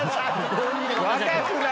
若くない。